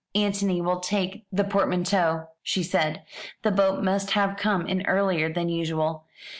"Antony will take the portmanteaux," she said; "the boat must have come in earlier than usual.